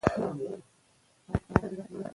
خلک باید یو بل درناوی کړي.